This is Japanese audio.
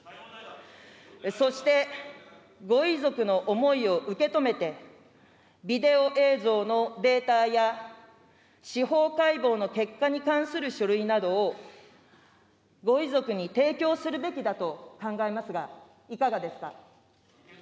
そして、ご遺族の思いを受け止めて、ビデオ映像のデータや司法解剖の結果に関する書類などを、ご遺族に提供するべきだと考えますが、いかがですか。